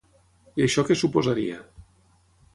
I això què suposaria?